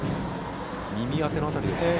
耳当ての辺りですかね。